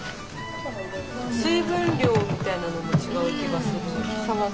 水分量みたいなのも違う気がする。